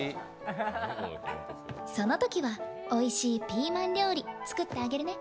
そのときはおいしいピーマン料理、作ってあげるね。